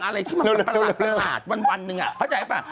อะไรที่มันเป็นประหลาดวันหนึ่งเข้าใจป่ะ